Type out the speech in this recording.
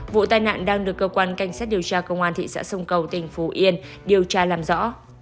vụ tai nạn đang được cơ quan cảnh sát điều tra công an thị xã sông cầu tỉnh phú yên điều tra làm rõ